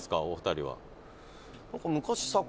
お二人は」